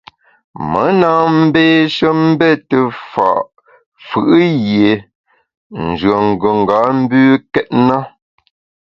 Me na mbeshe mbete fa’ fù’ yie nyùen gùnga mbükét na.